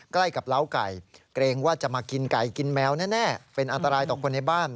ใกล้กับเล้าไก่เกรงว่าจะมากินไก่กินแมวแน่เป็นอันตรายต่อคนในบ้าน